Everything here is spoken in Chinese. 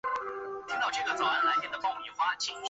白家大地遗址的历史年代为卡约文化。